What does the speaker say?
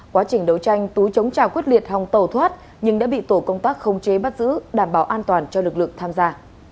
quá trình đấu tranh tú chống trào quyết liệt hòng tàu thoát nhưng đã bị tổ công tác không chế bắt giữ đảm bảo an toàn cho lực lượng tham gia